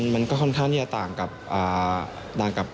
มันก็ค่อนข้างต่างกับ